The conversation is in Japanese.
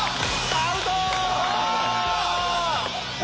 アウト。